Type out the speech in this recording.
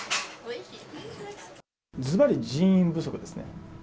ずばり人員不足ですね。